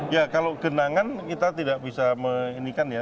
ya kalau genangan kita tidak bisa inikan ya